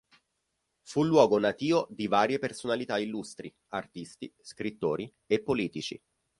Fu luogo natìo di varie personalità illustri: artisti, scrittori e politici.